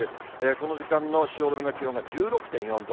この時間の汐留の気温が１６．４度。